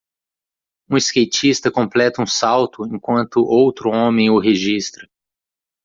Um skatista completa um salto enquanto outro homem o registra.